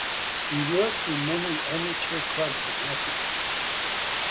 He worked in many amateur clubs in Athens.